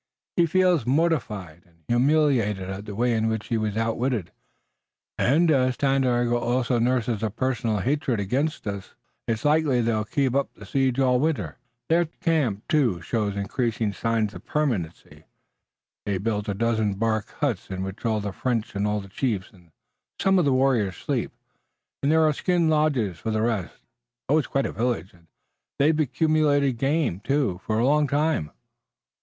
He feels mortified and humiliated at the way in which he was outwitted, and, as Tandakora also nurses a personal hatred against us, it's likely that they'll keep up the siege all winter, if they think in the end they can get us. "Their camp, too, shows increasing signs of permanency. They've built a dozen bark huts in which all the French, all the chiefs and some of the warriors sleep, and there are skin lodges for the rest. Oh, it's quite a village! And they've accumulated game, too, for a long time."